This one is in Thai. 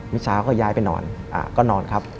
มิชาก็ย้ายไปนอนอ่าก็นอนครับ